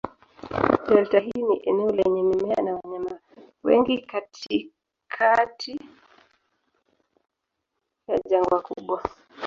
Delta hii ni eneo lenye mimea na wanyama wengi katikati ya jangwa kubwa.